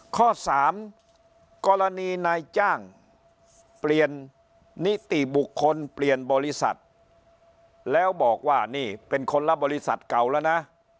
ข้อ๓กรณีนายจ้างเปลี่ยนนิติบุคคลเปลี่ยนบริษัทแล้วบอกว่านี่เป็นคนละบริษัทเก่าแล้วนะ